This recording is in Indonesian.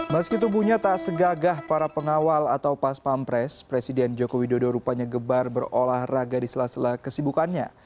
meski tubuhnya tak segagah para pengawal atau paspampres presiden jokowi dodo rupanya gebar berolahraga di sela sela kesibukannya